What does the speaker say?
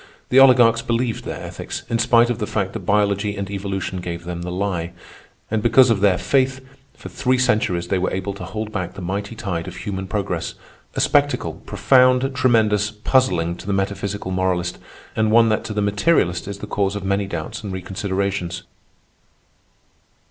The oligarchs believed their ethics, in spite of the fact that biology and evolution gave them the lie; and, because of their faith, for three centuries they were able to hold back the mighty tide of human progress—a spectacle, profound, tremendous, puzzling to the metaphysical moralist, and one that to the materialist is the cause of many doubts and reconsiderations.